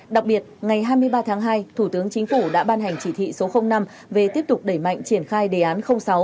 đặc biệt ngày hai mươi ba tháng hai thủ tướng chính phủ đã ban hành chỉ thị số năm về tiếp tục đẩy mạnh triển khai đề án sáu